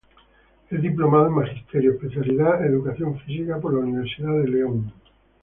Es diplomado en magisterio, especialidad educación física, por la Universidad de León.